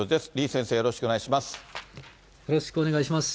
李先生、よろしくお願いします。